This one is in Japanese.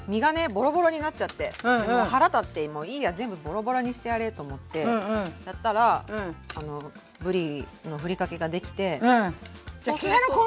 ボロボロになっちゃって腹立ってもういいや全部ボロボロにしてやれと思ってやったらぶりのふりかけができてそうすると。